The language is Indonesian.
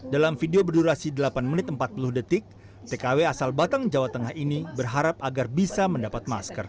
dalam video berdurasi delapan menit empat puluh detik tkw asal batang jawa tengah ini berharap agar bisa mendapat masker